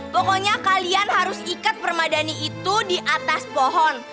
pokoknya kalian harus ikat permadani itu di atas pohon